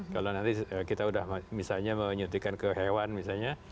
kalau nanti kita sudah menyuntikkan ke hewan misalnya